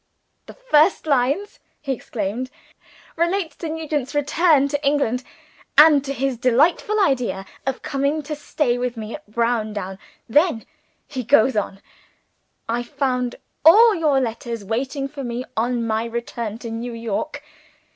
"The first lines," he explained, "relate to Nugent's return to England, and to his delightful idea of coming to stay with me at Browndown. Then he goes on: 'I found all your letters waiting for me on my return to New York.